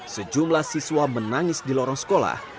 sejumlah siswa menangis di lorong sekolah